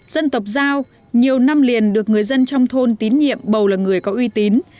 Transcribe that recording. dân tộc giao nhiều năm liền được người dân trong thôn tín nhiệm bầu là người có uy tín